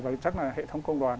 và chắc là hệ thống công đoàn